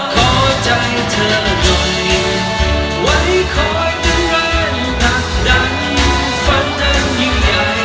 ขอใจเธอหน่อยไหว้คอยเป็นเรื่องหลักดันฝันนั้นยังไง